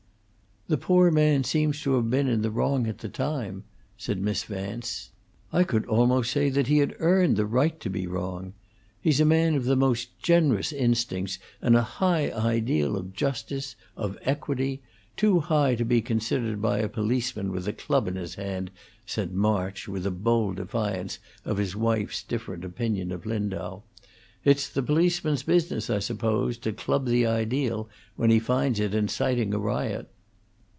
"The poor man seems to have been in the wrong at the time," said Miss Vance. "I could almost say he had earned the right to be wrong. He's a man of the most generous instincts, and a high ideal of justice, of equity too high to be considered by a policeman with a club in his hand," said March, with a bold defiance of his wife's different opinion of Lindau. "It's the policeman's business, I suppose, to club the ideal when he finds it inciting a riot."